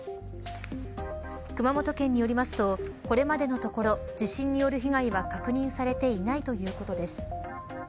熊本県によりますとこれまでのところ地震による被害は確認されていないということです。